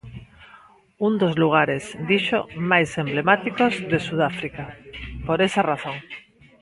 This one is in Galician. Un dos lugares, dixo, "máis emblemáticos de Sudáfrica" por esa razón.